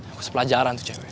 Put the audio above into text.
aku sepelajaran tuh cewek